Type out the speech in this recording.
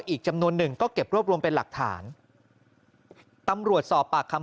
อีกจำนวนหนึ่งก็เก็บรวบรวมเป็นหลักฐานตำรวจสอบปากคำ